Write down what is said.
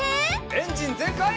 エンジンぜんかい！